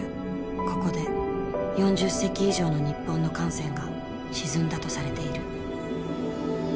ここで４０隻以上の日本の艦船が沈んだとされている。